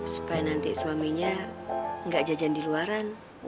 supaya nanti suaminya nggak jajan di luaran